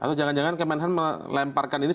atau jangan jangan kemenhan melemparkan ini